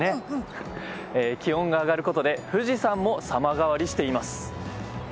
気温が上がることで富士山も様変わりしています。